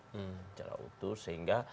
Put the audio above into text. secara utuh sehingga